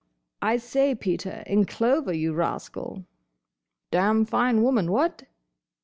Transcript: "I say, Peter, in clover, you rascal!" "Dam fine woman—what?"